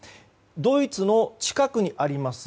ドイツの近くにあります